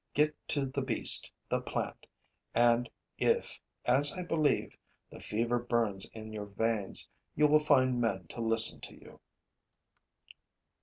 Get to the beast, the plant; and, if, as I believe, the fever burns in your veins, you will find men to listen to you.'